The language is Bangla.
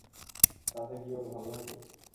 তাতে কি ওর ভালো হবে।